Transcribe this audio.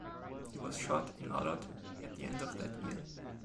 He was shot in Olot at the end of that year.